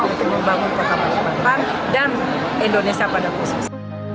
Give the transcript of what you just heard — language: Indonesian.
bangun kota balikpapan dan indonesia pada proses